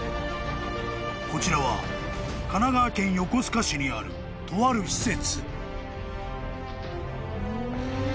［こちらは神奈川県横須賀市にあるとある施設］